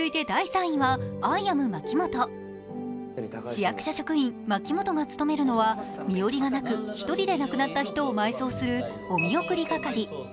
市役所職員・牧本が勤めるのは身寄りがなく一人で亡くなった人を埋葬するお見送り係。